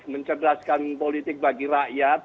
mencerdaskan politik bagi rakyat